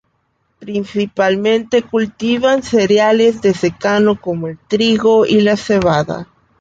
Principalmente cultivan cereales de secano como el trigo y la cebada.